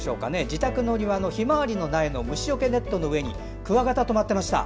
自宅の庭のひまわりの苗の虫よけネットの上にクワガタが止まっていました。